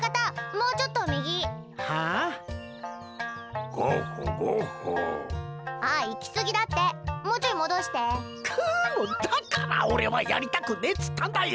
もうだから俺はやりたくねえっつったんだよ！